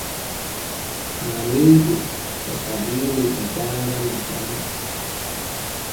Haamiidu e Sabiini e daara Natalii.